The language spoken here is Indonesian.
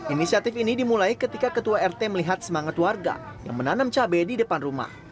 inisiatif ini dimulai ketika ketua rt melihat semangat warga yang menanam cabai di depan rumah